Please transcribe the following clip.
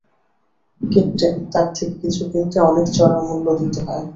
Captain, তার থেকে কিছু কিনতে অনেক চড়া মূল্য দিতে হয়।